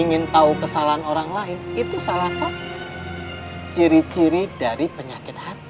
ingin tahu kesalahan orang lain itu salah satu ciri ciri dari penyakit hati